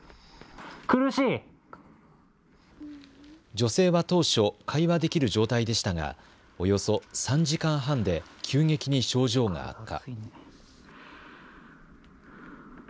女性は当初、会話できる状態でしたがおよそ３時間半で急激に症状が悪化。